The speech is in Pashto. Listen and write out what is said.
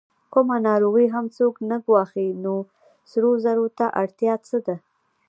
کومه ناروغي هم څوک نه ګواښي، نو سرو زرو ته اړتیا څه ده؟